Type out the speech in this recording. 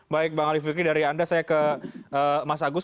baik bang ali fikri dari anda saya ke mas agus